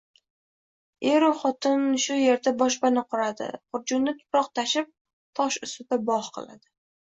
Eru xotin shu yerda boshpana quradi, xurjunda tuproq tashib, tosh ustida bogʼ qiladi.